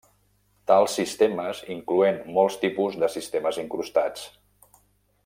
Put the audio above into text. Tals sistemes incloent molts tipus de sistemes incrustats.